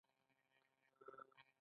د ناروغیو په مخنیوي کې مرسته کوي.